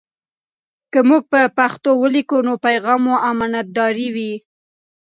که موږ په پښتو ولیکو، نو پیغام مو امانتاري وي.